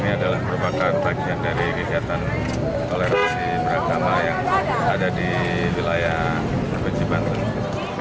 ini adalah merupakan bagian dari kegiatan toleransi beragama yang ada di wilayah provinsi banten